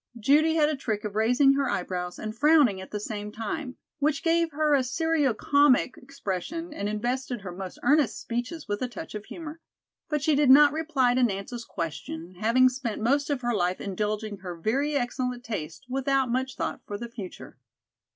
Judy had a trick of raising her eyebrows and frowning at the same time, which gave her a serio comic expression and invested her most earnest speeches with a touch of humor. But she did not reply to Nance's question, having spent most of her life indulging her very excellent taste without much thought for the future.